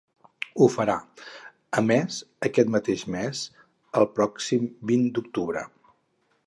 Ho farà, a més, aquest mateix mes, el pròxim vint d’octubre.